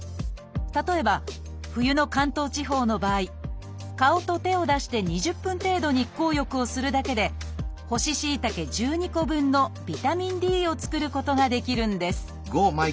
例えば冬の関東地方の場合顔と手を出して２０分程度日光浴をするだけで干ししいたけ１２個分のビタミンＤを作ることができるんです